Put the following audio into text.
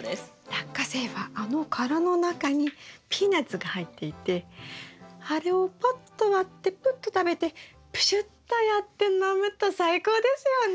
ラッカセイはあの殻の中にピーナツが入っていてあれをパッと割ってプッと食べてプシュッとやって飲むと最高ですよね。